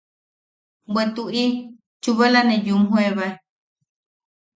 –Bwe tuʼi, chubala ne yumjoebae.